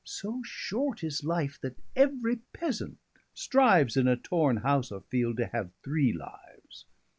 So short is life, that every peasant strives, In a torne house, or field, to have three lives.